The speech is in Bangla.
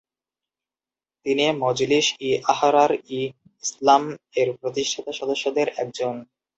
তিনি মজলিস-ই-আহরার-ই ইসলাম এর প্রতিষ্ঠাতা সদস্যদের একজন।